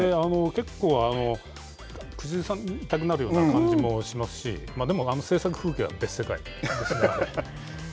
結構、口ずさみたくなるような感じもしますし、でも、あの制作風景は別世界ですよね。